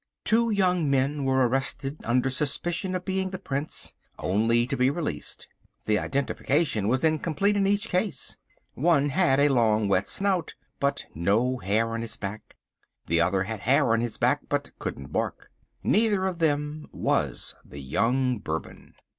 Two young men were arrested under suspicion of being the Prince, only to be released. The identification was incomplete in each case. One had a long wet snout but no hair on his back. The other had hair on his back but couldn't bark. Neither of them was the young Bourbon.